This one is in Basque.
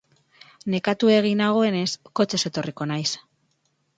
Nekatuegi nagoenez, kotxez etorriko naiz.